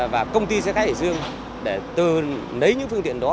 và công ty xe khách hải dương để lấy những phương tiện đó